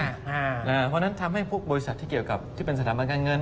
เพราะฉะนั้นทำให้พวกบริษัทที่เกี่ยวกับที่เป็นสถาบันการเงิน